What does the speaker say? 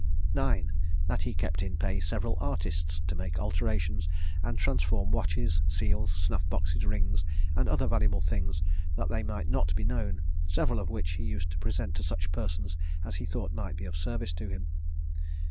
IX. That he kept in pay several artists to make alterations, and transform watches, seals, snuff boxes, rings, and other valuable things, that they might not be known, several of which he used to present to such persons as he thought might be of service to him.